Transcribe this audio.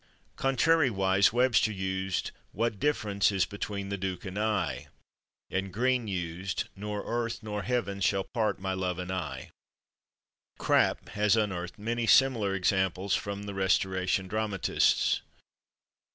Contrariwise, Webster used "what difference is between the duke and /I/?" and Greene used "nor earth nor heaven shall part my love and /I/." Krapp has unearthed many similar examples from the Restoration dramatists.